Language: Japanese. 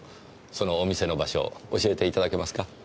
そのお店の場所教えていただけますか？